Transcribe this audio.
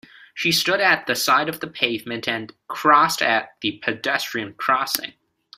She stood at the side of the pavement, and crossed at the pedestrian crossing